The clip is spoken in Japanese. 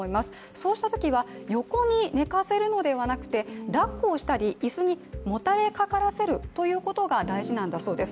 そうしたときは、横に寝かせるのではなく、だっこをしたり椅子にもたれかからせるということが大事なんだそうです。